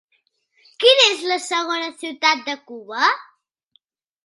Quina és la segona ciutat de Cuba?